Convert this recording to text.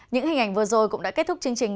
những hình ảnh vừa rồi cũng đã kết thúc chương trình